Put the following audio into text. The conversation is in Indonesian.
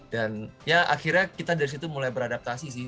dan ya akhirnya kita dari situ mulai beradaptasi sih